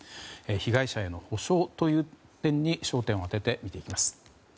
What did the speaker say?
被害者への補償という点に焦点を当てて見ていきます。